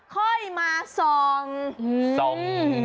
ค่อยมาส่อง